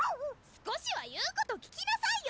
少しは言うこと聞きなさいよ！